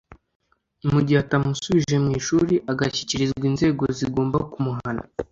mu gihe atamusubije mu ishuri agashyikirizwa inzego zigomba kumuhana